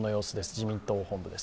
自民党本部です。